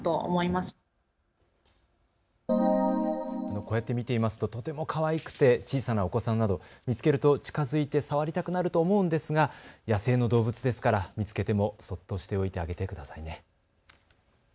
こうやって見ていますととてもかわいくて小さなお子さんなど、見つけると近づいて触りたくなると思うんですが野生の動物ですから見つけてもそっとしておいてあげてくださいね。